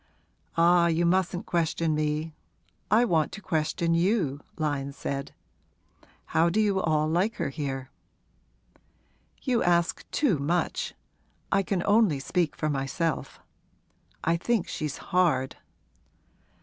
'Ah, you mustn't question me I want to question you,' Lyon said. 'How do you all like her here?' 'You ask too much! I can only speak for myself. I think she's hard.'